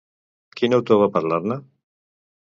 Quin autor va parlar-ne?